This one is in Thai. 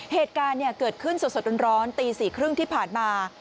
เหตุการณ์เกิดขึ้นสดร้อนตี๔๓๐ที่ผ่านมา